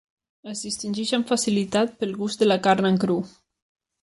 Es distingeix amb facilitat pel gust de la carn en cru.